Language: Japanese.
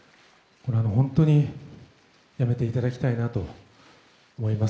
本当にやめていただきたいなと思います。